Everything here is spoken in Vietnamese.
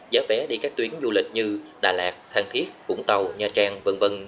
giá vé đi các tuyến du lịch như đà lạt thang thiết vũng tàu nha trang v v